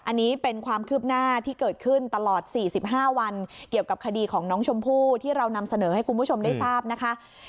อันนี้เป็นความคืบหน้าที่เกิดขึ้นตลอด๔๕วันเกี่ยวกับคดีของน้องชมพู่ที่เรานำเสนอให้คุณผู้ชมได้ทราบนะคะ